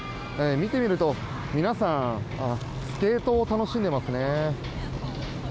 見ていると、皆さんスケートを楽しんでいますね。